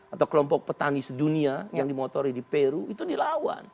atau kelompok petani sedunia yang dimotori di peru itu dilawan